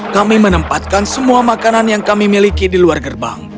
kami menempatkan semua makanan yang kami miliki di luar gerbang